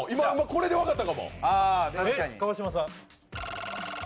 これで分かった。